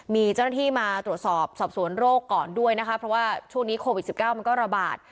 มีเจ้าหน้าที่มาตรวจสอบสอบสวนโรคก่อนด้วยนะคะเพราะว่าช่วงนี้โควิด๑๙มันก็ระบาด